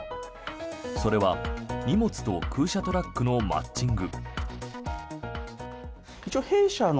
それは荷物と空車トラックのマッチング。